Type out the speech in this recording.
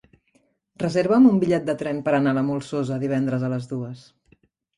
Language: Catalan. Reserva'm un bitllet de tren per anar a la Molsosa divendres a les dues.